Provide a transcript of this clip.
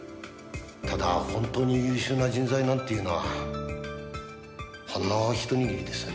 ただ本当に優秀な人材なんていうのはほんのひと握りです。